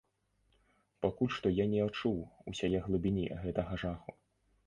Пакуль што я не адчуў усяе глыбіні гэтага жаху!